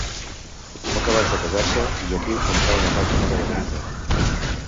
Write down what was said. Poc abans de casar-se, Joaquim comprà una casa nova de trinca.